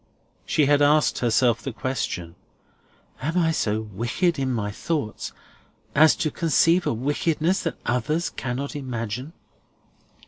She had asked herself the question, "Am I so wicked in my thoughts as to conceive a wickedness that others cannot imagine?"